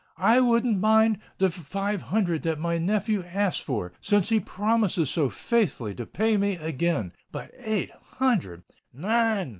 —I wouldn't mind the five hundred that my nephew asks for—since he promises so faithfully to pay me again· but eight hundred——" "Nine!"